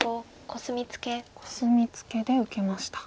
コスミツケで受けました。